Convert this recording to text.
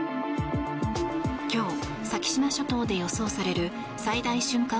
今日、先島諸島で予想される最大瞬間